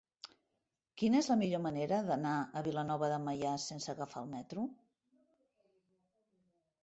Quina és la millor manera d'anar a Vilanova de Meià sense agafar el metro?